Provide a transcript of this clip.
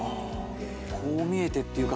「こう見えて」っていうか。